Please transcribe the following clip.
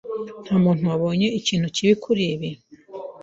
Nta muntu wabonye ikintu kibi kuri ibi.